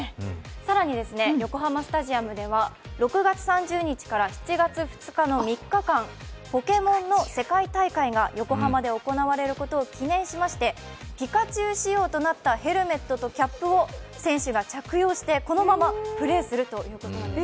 更に、横浜スタジアムでは６月３０日から７月２日までの３日間ポケモンの世界大会が横浜で行われることを記念しましてピカチュウ仕様となったヘルメットとキャップを選手が着用して、このままプレーするということなんです。